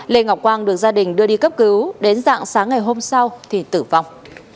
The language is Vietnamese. lê ngọc quang được gia đình đưa đi cấp cứu đến dạng sáng ngày hôm sau thì tử vong